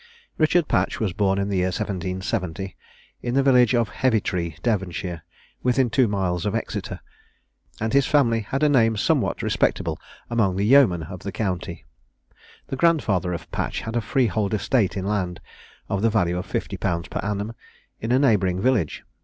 Richard Patch was born in the year 1770, at the village of Heavytree, Devonshire, within two miles of Exeter, and his family had a name somewhat respectable among the yeomen of the county. The grandfather of Patch had a freehold estate in land, of the value of fifty pounds per annum, in a neighbouring village.